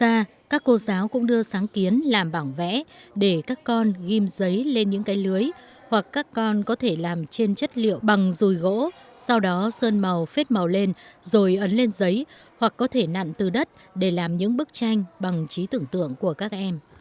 ngoài ra các cô giáo cũng đưa sáng kiến làm bảng vẽ để các con ghim giấy lên những cái lưới hoặc các con có thể làm trên chất liệu bằng dùi gỗ sau đó sơn màu phết màu lên rồi ấn lên giấy hoặc có thể nặn từ đất để làm những bức tranh bằng trí tưởng tượng của các em